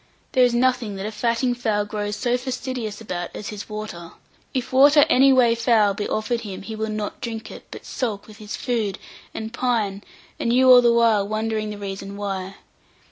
There is nothing that a fatting fowl grows so fastidious about as his water. If water any way foul be offered him, he will not drink it, but sulk with his food, and pine, and you all the while wondering the reason why.